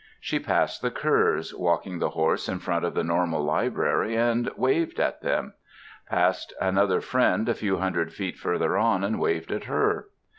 She passed the Kerrs, walking the horse, in front of the Normal Library, and waved at them; passed another friend a few hundred feet further on, and waved at her.